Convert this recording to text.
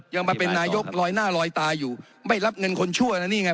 ยังมาเป็นนายกลอยหน้าลอยตาอยู่ไม่รับเงินคนชั่วนะนี่ไง